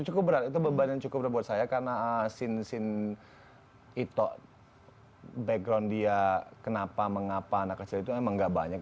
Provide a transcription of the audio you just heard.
cukup berat itu beban yang cukup berat buat saya karena scene scene itu background dia kenapa mengapa anak kecil itu emang gak banyak